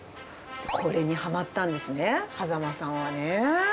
これにはまったんですね、羽佐間さんはね。